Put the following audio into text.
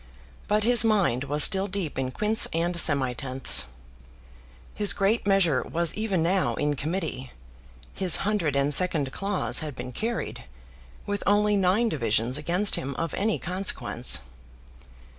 But his mind was still deep in quints and semitenths. His great measure was even now in committee. His hundred and second clause had been carried, with only nine divisions against him of any consequence.